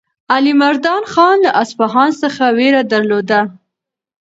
علیمردان خان له اصفهان څخه وېره درلوده.